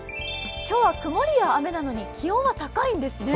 今日は曇りや雨なのに気温が高いんですね。